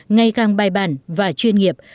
ngày càng bài bản và chuyên nghiệp